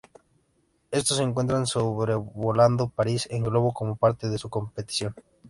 Estos se encuentran sobrevolando París en globo, como parte de una competición.